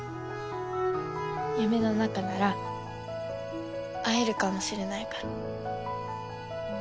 夢の中なら会えるかもしれないから。